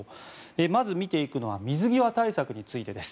まず、見ていくのは水際対策についてです。